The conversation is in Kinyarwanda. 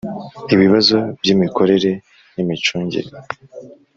ibibazo by imikorere n imicungire